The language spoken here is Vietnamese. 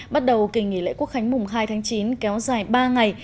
bắt đầu kỳ nghỉ lễ quốc khánh mùng hai tháng chín kéo dài ba ngày